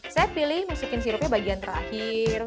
saya pilih masukin sirupnya bagian terakhir